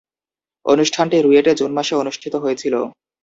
অনুষ্ঠানটি রুয়েটে জুন মাসে অনুষ্ঠিত হয়েছিলো।